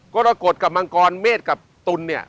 กรกฎกับมังกรเมฆกับตุลเนี่ย